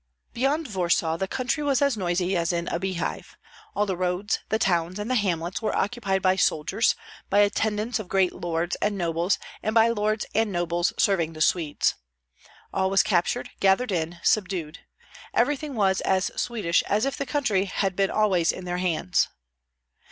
Beyond Warsaw the country was as noisy as in a beehive. All the roads, the towns, and the hamlets were occupied by soldiers, by attendants of great lords and nobles, and by lords and nobles serving the Swedes. All was captured, gathered in, subdued; everything was as Swedish as if the country had been always in their hands.